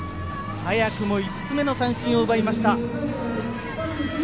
早くも５つ目の三振を奪いました。